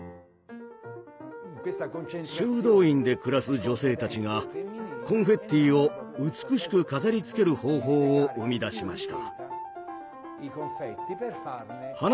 修道院で暮らす女性たちがコンフェッティを美しく飾りつける方法を生み出しました。